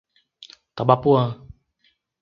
Tabapuã